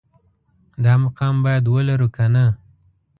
دا مقام باید ولرو که نه